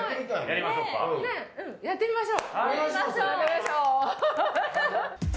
やってみましょう！